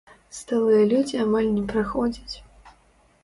Сталыя людзі амаль не прыходзяць.